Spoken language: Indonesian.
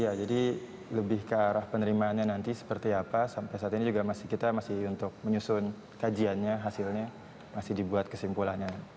ya jadi lebih ke arah penerimaannya nanti seperti apa sampai saat ini juga masih kita masih untuk menyusun kajiannya hasilnya masih dibuat kesimpulannya